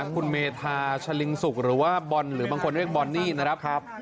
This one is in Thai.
คุณเมธาชะลิงสุกหรือว่าบอลหรือบางคนเรียกบอนนี่นะครับ